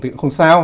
thì cũng không sao